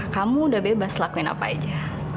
kamu udah bebas lakuin apa aja